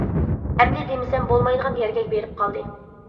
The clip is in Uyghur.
ئەمدى دېمىسەم بولمايدىغان يەرگە بېرىپ قالدى.